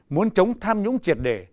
muốn chống tham nhũng triệt đề